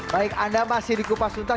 baik anda masih di kupas tuntas